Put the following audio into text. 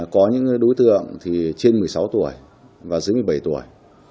có những đối tượng thì trên một mươi sáu tuổi và dưới một mươi bảy tuổi